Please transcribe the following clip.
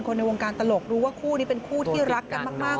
ในวงการตลกรู้ว่าคู่นี้เป็นคู่ที่รักกันมาก